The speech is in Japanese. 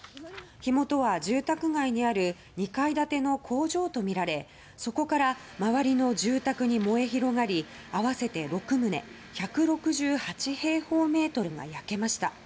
火元は住宅街にある２階建ての工場とみられそこから周りの住宅に燃え広がり合わせて６棟１６８平方メートルが焼けました。